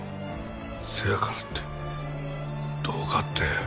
せやからって動画って。